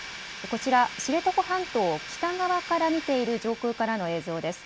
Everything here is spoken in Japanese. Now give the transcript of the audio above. こちら、知床半島を北側から見ている上空からの映像です。